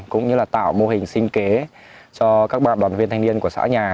cũng như là tạo mô hình sinh kế cho các bạn đoàn viên thanh niên của xã nhà